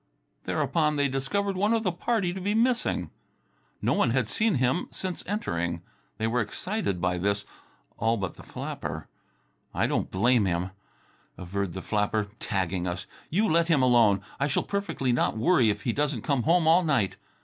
Thereupon they discovered one of the party to be missing. No one had seen him since entering. They were excited by this, all but the flapper. "I don't blame him," averred the flapper ... "Tagging us! You let him alone! I shall perfectly not worry if he doesn't come home all night.